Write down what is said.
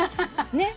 ねっ！